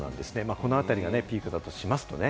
このあたりがピークだとしますとね。